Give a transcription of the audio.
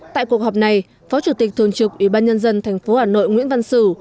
tại cuộc họp này phó chủ tịch thường trực ubnd tp hà nội nguyễn văn sử